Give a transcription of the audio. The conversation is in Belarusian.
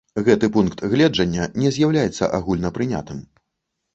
Гэты пункт гледжання не з'яўляецца агульнапрынятым.